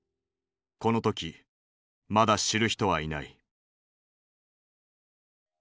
この時まだ知る人はいない。